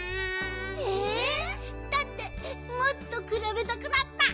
えっ？だってもっとくらべたくなった！